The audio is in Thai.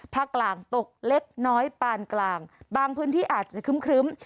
ภาคกลางตกเล็กน้อยปานกลางบางพื้นที่อาจจะครึ้ม